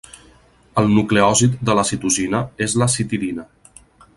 El nucleòsid de la citosina és la citidina.